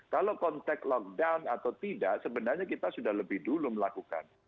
kalau konteks lockdown atau tidak sebenarnya kita sudah lebih dulu melakukan